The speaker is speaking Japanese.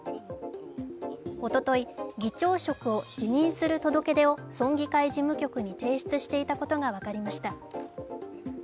おととい議長職を辞任する届け出を村議会事務局に提出していたことが分かりました。